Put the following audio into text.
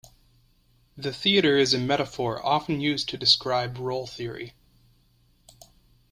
The theatre is a metaphor often used to describe role theory.